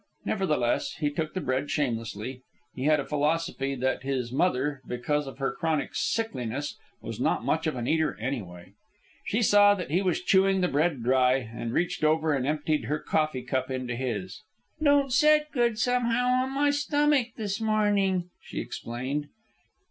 Nevertheless, he took the bread shamelessly. He had a philosophy that his mother, because of her chronic sickliness, was not much of an eater anyway. She saw that he was chewing the bread dry, and reached over and emptied her coffee cup into his. "Don't set good somehow on my stomach this morning," she explained.